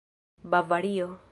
bavario